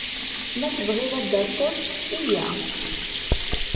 Ma tebɣiḍ ad d-taseḍ, yya.